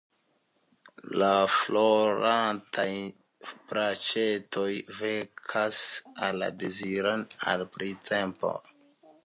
La florantaj branĉetoj vekas la deziron al printempo.